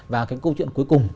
và cái câu chuyện cuối cùng